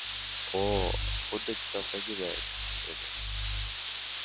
"O, xuddi kitobdagiday! — dedi.